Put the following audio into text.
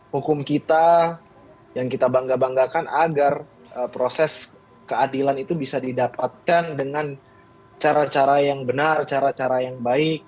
hukum kita yang kita bangga banggakan agar proses keadilan itu bisa didapatkan dengan cara cara yang benar cara cara yang baik